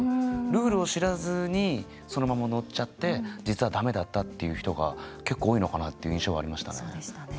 ルールを知らずにそのまま乗っちゃって実は駄目だったっていう人が結構多いのかなっていう印象はありましたね。